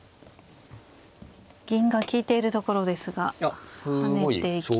銀が利いているところですが跳ねていきました。